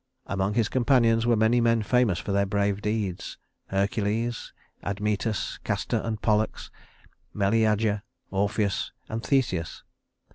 Among his companions were many men famous for their brave deeds: Hercules, Admetus, Castor and Pollux, Meleager, Orpheus, and Theseus.